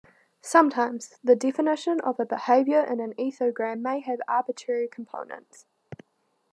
Sometimes, the definition of a behaviour in an ethogram may have arbitrary components.